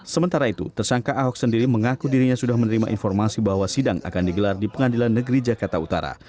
sementara itu tersangka ahok sendiri mengaku dirinya sudah menerima informasi bahwa sidang akan digelar di pengadilan negeri jakarta utara